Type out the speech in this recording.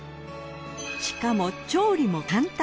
しかも調理も簡単。